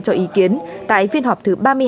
cho ý kiến tại phiên họp thứ ba mươi hai